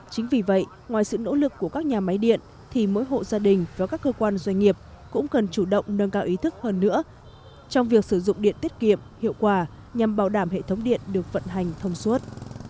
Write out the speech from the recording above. chính vì vậy ngoài sự nỗ lực của các nhà máy điện thì mỗi hộ gia đình và các cơ quan doanh nghiệp cũng cần chủ động nâng cao ý thức hơn nữa trong việc sử dụng điện tiết kiệm hiệu quả nhằm bảo đảm hệ thống điện được vận hành thông suốt